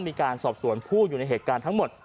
มีการสอบสวนผู้อยู่ในเหตุการณ์ทั้งหมด